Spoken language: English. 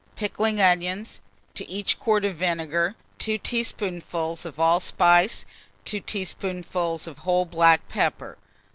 Pickling onions; to each quart of vinegar, 2 teaspoonfuls of allspice, 2 teaspoonfuls of whole black pepper.